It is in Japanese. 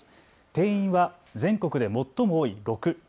定員は全国で最も多い６。